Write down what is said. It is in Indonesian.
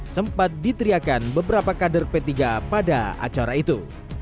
sempat diteriakan beberapa kader p tiga pada acara itu